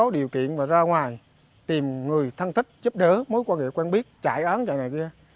điều kiện mà ra ngoài tìm người thân thích giúp đỡ mối quan hệ quen biết chạy án chạy này kia